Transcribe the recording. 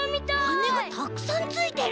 はねがたくさんついてる。